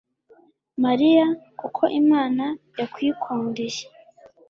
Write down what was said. mariya, kuko imana yakwikundiye